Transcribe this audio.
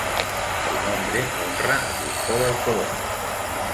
Su nombre honra a Cristóbal Colón.